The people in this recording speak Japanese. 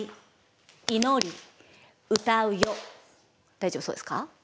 大丈夫そうですか？